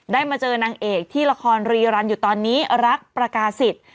มาเจอนางเอกที่ละครรีรันอยู่ตอนนี้รักประกาศิษย์